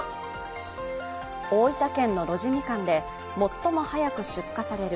大分県の露地みかんで最も早く出荷される